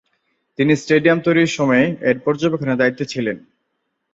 তিনি স্টেডিয়াম তৈরির সময়ে এর পর্যবেক্ষণের দায়িত্বে ছিলেন।